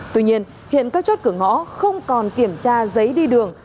tuy nhiên hiện các chốt cửa ngõ không còn kiểm tra giấy đi đường